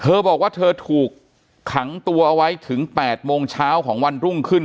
บอกว่าเธอถูกขังตัวเอาไว้ถึง๘โมงเช้าของวันรุ่งขึ้น